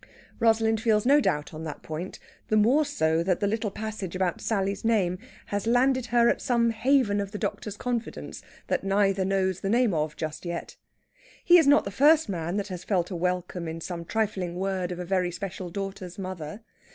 Rosalind feels no doubt on that point, the more so that the little passage about Sally's name has landed her at some haven of the doctor's confidence that neither knows the name of just yet. He is not the first man that has felt a welcome in some trifling word of a very special daughter's mother.